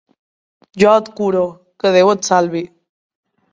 Jo et curo, que Déu et salvi.